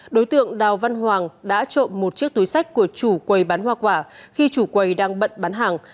đối tượng đào văn hoàng đã trộm một chiếc túi sách của chủ quầy bán hoa quả khi chủ quầy đang bận bán hàng